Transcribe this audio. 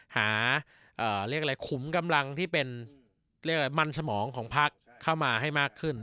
หาคุ้มกำลังที่เป็นมันสมองของพลักษณ์เข้ามาให้มากขึ้น